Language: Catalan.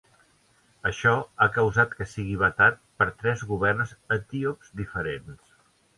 Això ha causat que sigui vetat per tres governs etíops diferents.